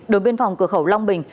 đội biên phòng cửa khẩu long bình